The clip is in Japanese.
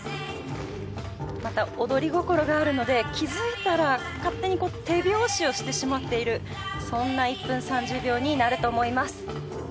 また踊り心があるので気づいたら勝手にこう手拍子をしてしまっているそんな１分３０秒になると思います。